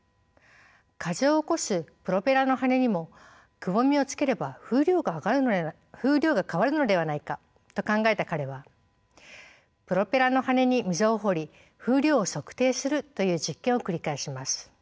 「風を起こすプロペラの羽根にもくぼみをつければ風量が変わるのではないか？」と考えた彼はプロペラの羽根に溝を彫り風量を測定するという実験を繰り返します。